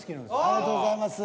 ありがとうございます。